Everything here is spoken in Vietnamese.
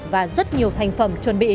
và rất nhiều thành phẩm chuẩn bị